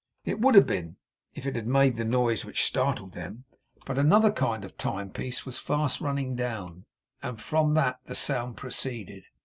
It would have been, if it had made the noise which startled them; but another kind of time piece was fast running down, and from that the sound proceeded.